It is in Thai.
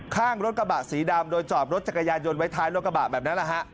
ข้างรถกระบะสีดำโดยจอบรถจักรยานยนต์ไว้ท้ายรถกระบะแบบนั้นแหละฮะ